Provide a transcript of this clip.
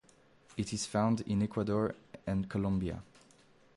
It is found in Ecuador and Colombia.